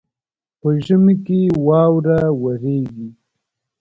په ژمي کي واوره وريږي.